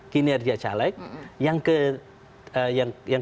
kinerja caleg yang